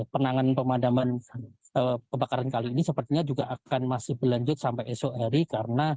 penanganan pemadaman kebakaran kali ini sepertinya juga akan masih berlanjut sampai esok hari karena